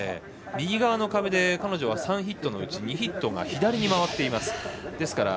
右側の壁で彼女は３ヒットのうち２ヒットが左に回っています。